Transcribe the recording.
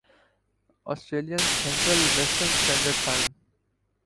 Australian central western standard time